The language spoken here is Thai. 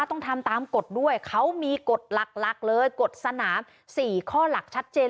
ต้องทำตามกฎด้วยเขามีกฎหลักเลยกฎสนาม๔ข้อหลักชัดเจน